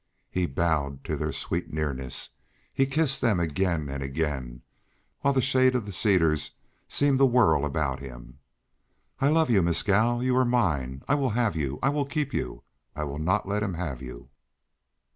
He bowed to their sweet nearness; he kissed them again and again, while the shade of the cedars seemed to whirl about him. "I love you, Mescal. You are mine I will have you I will keep you I will not let him have you!"